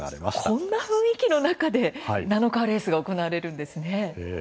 こんな雰囲気の中でナノカーレースが行われるんですね。